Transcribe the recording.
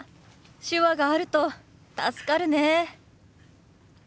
手話があると助かるね。